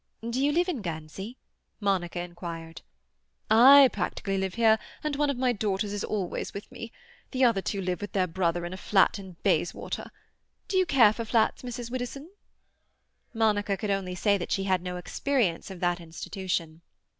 "Do you live in Guernsey?" Monica inquired. "I practically live here, and one of my daughters is always with me. The other two live with their brother in a flat in Bayswater. Do you care for flats, Mrs. Widdowson?" Monica could only say that she had no experience of that institution.